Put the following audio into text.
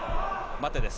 待てです。